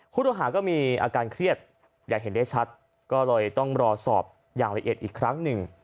ผู้ต้องหาก็มีอาการเครียดอยากเห็นได้ชัดก็เลยต้องรอสอบอย่างละเอียดอีกครั้งหนึ่ง